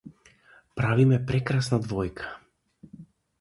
Правиме прекрасна двојка.